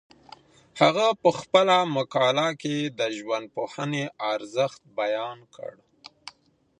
هغه په خپله مقاله کي د ژوندپوهنې ارزښت بیان کړ.